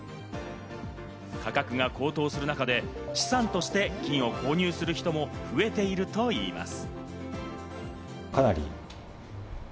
価格は高騰する中で資産として金を購入する人も増えているといいます。